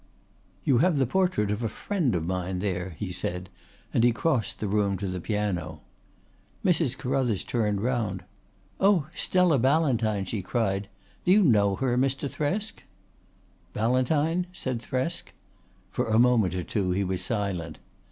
"You have the portrait of a friend of mine there," he said, and he crossed the room to the piano. Mrs. Carruthers turned round. "Oh, Stella Ballantyne!" she cried. "Do you know her, Mr. Thresk?" "Ballantyne?" said Thresk. For a moment or two he was silent.